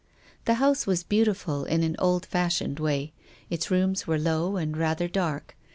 The house was beautiful in an old fashioned way. Its rooms were low and rather dark.